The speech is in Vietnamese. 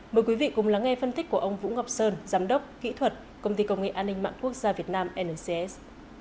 mời quý vị cùng lắng nghe phân tích của ông vũ ngọc sơn giám đốc kỹ thuật công ty công nghệ an ninh mạng quốc gia việt nam ncs